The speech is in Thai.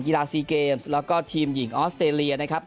กีฬาซีเกมส์แล้วก็ทีมหญิงออสเตรเลียนะครับ